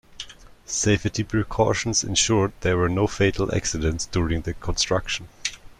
Safety precautions ensured there were no fatal accidents during the construction.